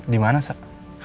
di mana zah